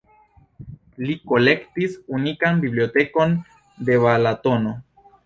Li kolektis unikan bibliotekon de Balatono.